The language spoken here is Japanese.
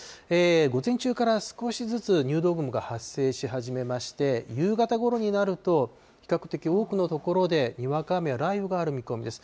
午前中から少しずつ入道雲が発生し始めまして、夕方ごろになると、比較的多くの所でにわか雨や雷雨がある見込みです。